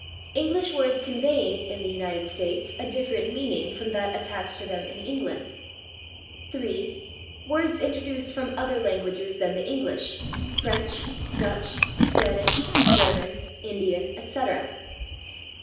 English words conveying, in the United States, a different meaning from that attached to them in England. 3. Words introduced from other languages than the English: French, Dutch, Spanish, German, Indian, etc. 4.